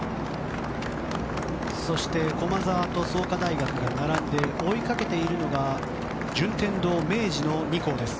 そして駒澤と創価大学が並んで、追いかけているのが順天堂、明治の２校です。